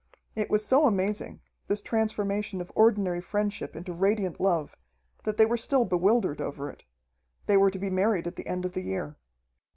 It was so amazing, this transformation of ordinary friendship into radiant love, that they were still bewildered over it. They were to be married at the end of the year.